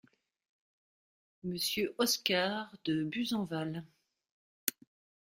Monsieur Oscar de Buzenval.